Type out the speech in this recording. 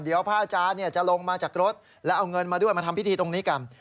เดี๋ยวพระอาจารย์จะลงมาจากรถแล้วเอาเงินมาด้วยมาทำพิธีตรงนี้กัน